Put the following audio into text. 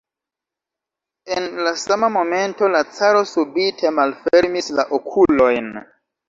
En la sama momento la caro subite malfermis la okulojn.